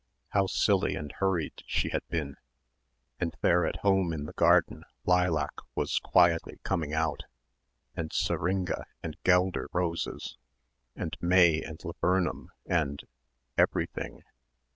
... how silly and hurried she had been, and there at home in the garden lilac was quietly coming out and syringa and guelder roses and May and laburnum and ... everything